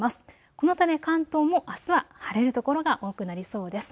このため関東もあすは晴れる所が多くなりそうです。